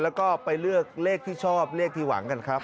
แล้วก็ไปเลือกเลขที่ชอบเลขที่หวังกันครับ